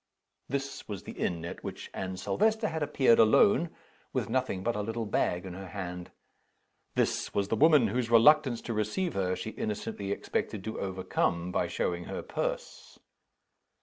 This was the inn at which Anne Silvester had appeared alone, with nothing but a little bag in her hand. This was the woman whose reluctance to receive her she innocently expected to overcome by showing her purse.